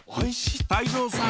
泰造さん